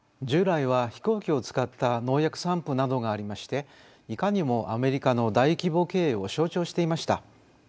従来は飛行機を使った農薬散布などがありましていかにもアメリカの大規模経営を象徴していました。